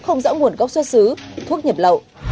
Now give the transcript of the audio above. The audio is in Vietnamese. không rõ nguồn gốc xuất xứ thuốc nhập lậu